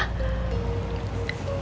ya kan pak